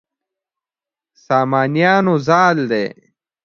سامانیانو زال دی.